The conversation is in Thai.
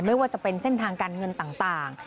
ไม่ว่าจะเป็นเส้นทางการเงินต่าง